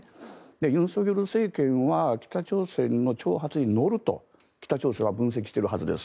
尹錫悦政権は北朝鮮の挑発に乗ると北朝鮮は分析しているはずです。